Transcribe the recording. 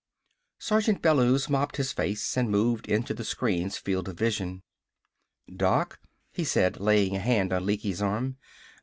Sergeant Bellews mopped his face and moved into the screen's field of vision. "Doc," he said, laying a hand on Lecky's arm.